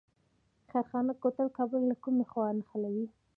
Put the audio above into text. خیرخانه کوتل کابل له کومې خوا نښلوي؟